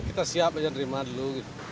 kita siap aja nerima dulu